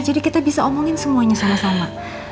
jadi kita bisa omongin semuanya sama sama